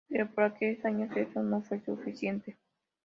Pero por aquellos años, esto no fue suficiente.